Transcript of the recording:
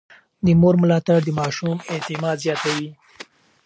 د مور ملاتړ د ماشوم اعتماد زياتوي.